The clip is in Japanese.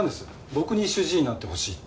僕に主治医になってほしいって。